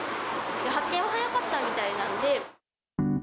発見は早かったみたいなんで。